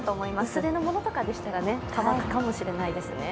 薄手のものとかでしたら乾くかもしれないですね。